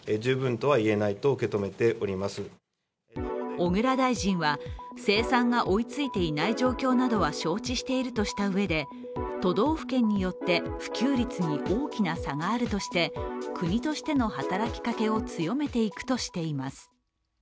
小倉大臣は生産が追いついていない状況などは承知しているとしたうえで都道府県によって普及率に大きな差があるとして国としての働きかけを強めていくとしています。